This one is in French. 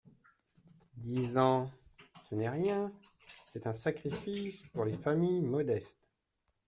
Dix ans, ce n’est pas rien, c’est un sacrifice pour les familles modestes.